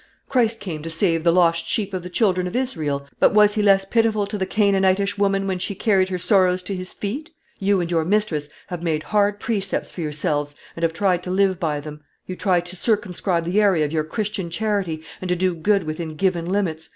Christ came to save the lost sheep of the children of Israel; but was He less pitiful to the Canaanitish woman when she carried her sorrows to His feet? You and your mistress have made hard precepts for yourselves, and have tried to live by them. You try to circumscribe the area of your Christian charity, and to do good within given limits.